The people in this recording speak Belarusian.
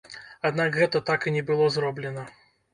Аднак гэта так і не было зроблена.